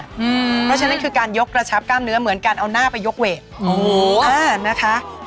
เพราะฉะนั้นคือการยกระชับกล้ามเนื้อเหมือนการเอาหน้าไปยกเวทนะคะ